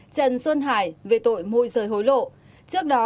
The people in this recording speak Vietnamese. trần xuân hải về tội môi rời hối lộ